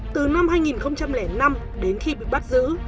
từ năm hai nghìn năm đến khi bị bắt giữ